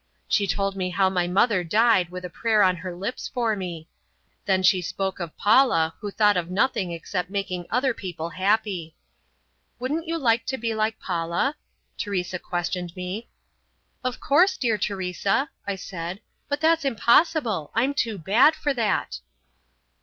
She told me how my mother died with a prayer on her lips for me. Then die spoke of Paula who thought of nothing except making other people happy. "Wouldn't you like to be like Paula?" Teresa questioned me. "Of course, dear Teresa," I said, "but that's impossible, I'm too bad for that."